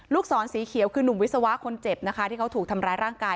ศรสีเขียวคือนุ่มวิศวะคนเจ็บนะคะที่เขาถูกทำร้ายร่างกาย